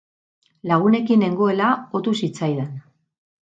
Lagunekin nengoela otu zitzaidan.